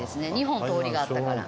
２本通りがあったから。